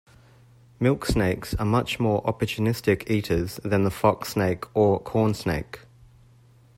Milk snakes are much more opportunistic eaters than the fox snake or corn snake.